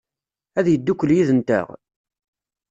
Ad yeddukel yid-nteɣ?